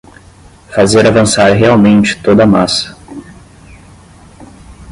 fazer avançar realmente toda a massa